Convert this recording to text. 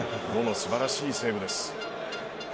素晴らしいセーブです。